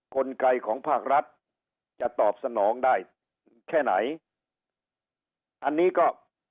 กลไกของภาครัฐจะตอบสนองได้แค่ไหนอันนี้ก็